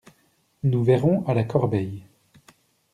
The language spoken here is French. Nous verrons à la corbeille!